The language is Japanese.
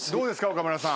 岡村さん。